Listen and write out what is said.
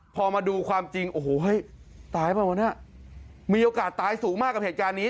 พอมาดูความจริงโอ้โหเฮ้ยตายเปล่าวะเนี่ยมีโอกาสตายสูงมากกับเหตุการณ์นี้